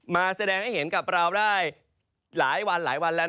มาแสดงด้วยให้เห็นกับเราได้หลายวานแล้ว